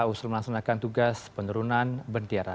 usul melaksanakan tugas penurunan bendera